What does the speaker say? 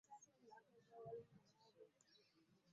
Embeera yo mukirombe eyungula ezziga.